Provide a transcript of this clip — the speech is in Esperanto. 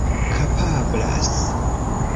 kapablas